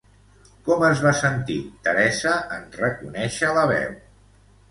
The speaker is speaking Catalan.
Com es va sentir Teresa en reconèixer la veu?